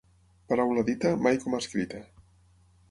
Paraula dita, mai com escrita.